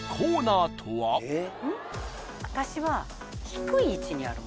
私は。